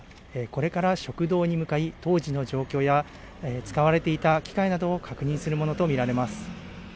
これから食堂に向かい、当時の状況や使われていた機械などを確認するものとみられます。